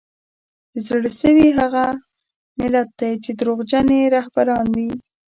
د زړه سوي هغه ملت دی چي دروغجن یې رهبران وي